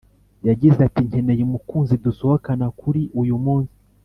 yagize ati “nkeneye umukunzi dusohokana kuri uyu munsi